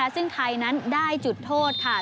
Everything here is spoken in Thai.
ซึ่งไทยนั้นได้จุดโทษค่ะ